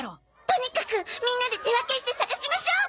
とにかくみんなで手分けして探しましょう！